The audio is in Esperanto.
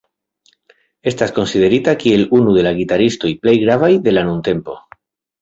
Estas konsiderita kiel unu de la gitaristoj plej gravaj de la nuntempo.